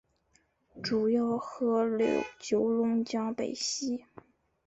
主要河流九龙江北溪。